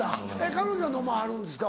彼女は飲まはるんですか？